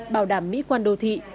bảo đảm mỹ quan đô thị